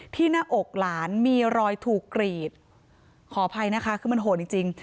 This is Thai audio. หน้าอกหลานมีรอยถูกกรีดขออภัยนะคะคือมันโหดจริงจริง